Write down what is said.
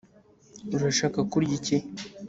Urashaka kurya iki